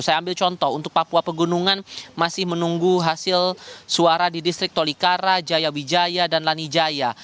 saya ambil contoh untuk papua pegunungan masih menunggu hasil suara di distrik tolikara jaya wijaya dan lanijaya